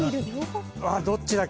どっちだっけ。